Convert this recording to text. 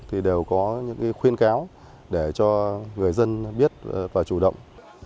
thì đều có những khuyên cáo để cho người dân biết và chủ động